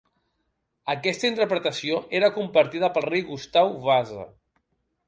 Aquesta interpretació era compartida pel rei Gustau Vasa.